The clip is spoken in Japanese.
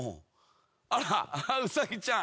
あらウサギちゃん。